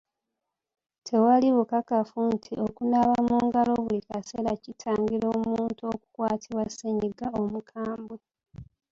Tewali bukakafu nti okunaaba mu ngalo buli kaseera kitangira omuntu okukwatibwa ssennyiga omukambwe.